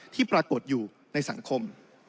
ที่ปรากฏอยู่ในสังคม